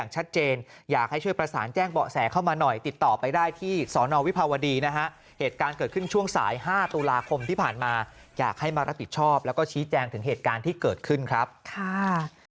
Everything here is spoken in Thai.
ช่วงสาย๕ตุลาคมที่ผ่านมาอยากให้มารับผิดชอบแล้วก็ชี้แจงถึงเหตุการณ์ที่เกิดขึ้นครับค่า